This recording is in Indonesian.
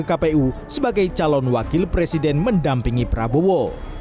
jika mendaftar ke kpu sebagai calon wakil presiden mendampingi prabowo